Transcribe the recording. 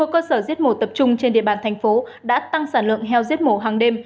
một mươi cơ sở giết mổ tập trung trên địa bàn thành phố đã tăng sản lượng heo giết mổ hàng đêm